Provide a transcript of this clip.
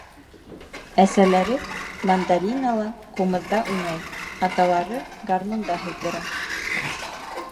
Әсәләре мандолинала, ҡумыҙҙа уйнай, аталары гармунда һыҙҙыра.